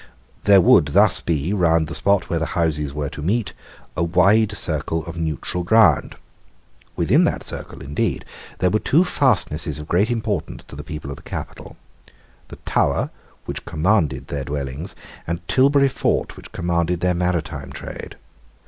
There would thus be, round the spot where the Houses were to meet, a wide circle of neutral ground. Within that circle, indeed, there were two fastnesses of great importance to the people of the capital, the Tower, which commanded their dwellings, and Tilbury Fort, which commanded their maritime trade.